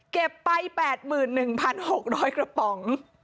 เก็บไป๘๑๖๐๐กระป๋อง